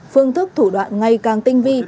phương thức thủ đoạn ngày càng tinh vi